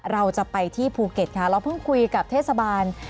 เราจะไปที่ภูเก็ตค่ะเราเพิ่งคุยกับเทศบาล